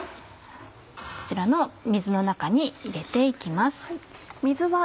こちらの水の中に入れて行きます。